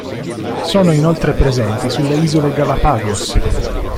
Sono inoltre presenti sulle Isole Galapagos.